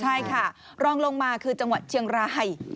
ใช่ค่ะรองลงมาคือจังหวัดเชียงราย